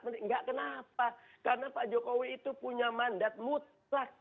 enggak kenapa karena pak jokowi itu punya mandat mutlak